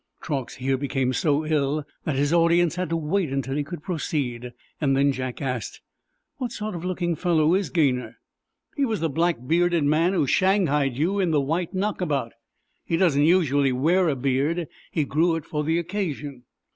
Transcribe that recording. Truax here became so ill that his audience had to wait until he could proceed. Then Jack asked: "What sort of looking fellow is Gaynor?" "He was the black bearded man who shanghaied you in the white knockabout. He doesn't usually wear a beard. He grew it for the occasion."